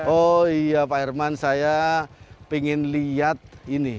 oh iya pak herman saya ingin lihat ini